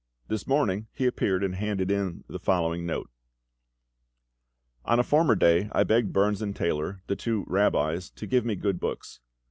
This morning he appeared and handed in the following note: "On a former day I begged Burns and Taylor, the two 'Rabbis,' to give me good books.